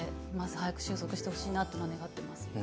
早く収束してほしいなと思っています。